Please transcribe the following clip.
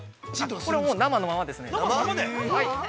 ◆これは生のままですね。